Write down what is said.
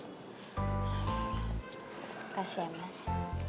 makasih ya mas